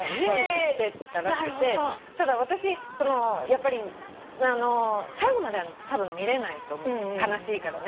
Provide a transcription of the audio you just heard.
ただ私やっぱり最後まではたぶん見れないと思う悲しいからね。